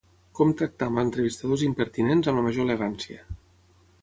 Com tractar amb entrevistadors impertinents amb la major elegància.